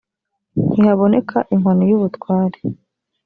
ntihaboneka inkoni y ubutware